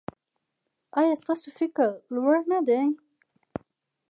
ایا ستاسو فکر لوړ نه دی؟